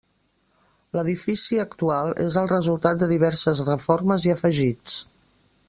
L'edifici actual és el resultat de diverses reformes i afegits.